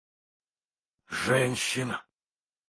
женщина